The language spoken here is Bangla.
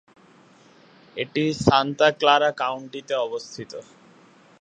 এটি সান্তা ক্লারা কাউন্টিতে অবস্থিত।